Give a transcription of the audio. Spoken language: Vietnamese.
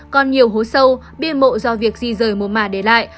còn nhiều hố sâu bia mộ do việc di rời mồm mả để lại